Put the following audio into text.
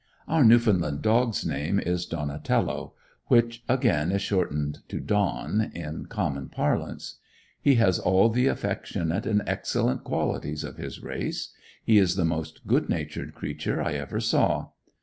Our Newfoundland dog's name is Donatello; which, again, is shortened to Don in common parlance. He has all the affectionate and excellent qualities of his race. He is the most good natured creature I ever saw.